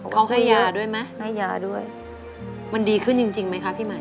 เขาให้ยาด้วยไหมให้ยาด้วยมันดีขึ้นจริงไหมคะพี่ใหม่